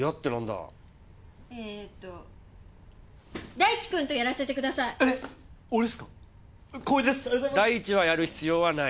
大地はやる必要はない。